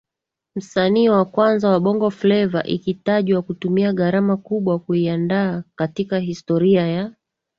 msanii wa kwanza wa Bongo Fleva ikitajwa kutumia gharama kubwa kuiandaa katika historia ya